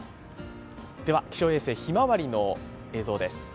気象衛星ひまわりの映像です。